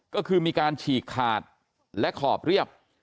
ก็คือมีการฉีกขาดและขอบเรียบ